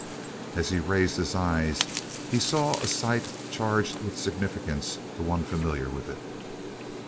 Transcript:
As he raised his eyes he saw a sight charged with significance to one familiar with it.